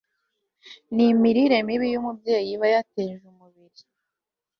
nimirire mibi yumubyeyi iba yateje umubiri